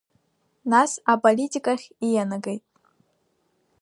Нас аполитика ахь иианагеит.